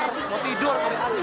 tikar mau tidur sama eman